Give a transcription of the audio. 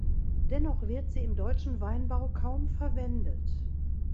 Dennoch wird sie im deutschen Weinbau kaum verwendet.